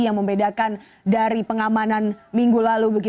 yang membedakan dari pengamanan minggu lalu